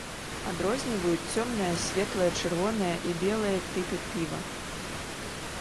Адрозніваюць цёмнае, светлае, чырвонае і белыя тыпы піва.